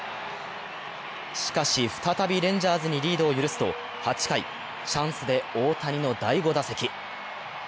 しかし、再びレンジャーズにリードを許すと８回、チャンスで大谷の第５打席。